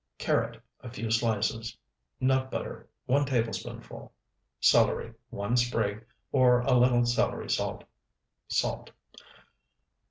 Carrot, a few slices. Nut butter, 1 tablespoonful. Celery, one sprig, or a little celery salt. Salt.